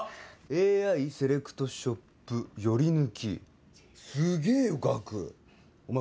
ＡＩセレクトショップヨリヌキすげえよガクお前